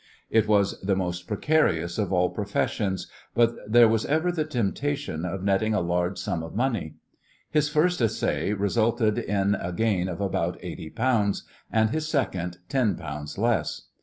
It was the most precarious of all professions, but there was ever the temptation of netting a large sum of money. His first essay resulted in a gain of about eighty pounds, and his second ten pounds less.